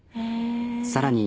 さらに。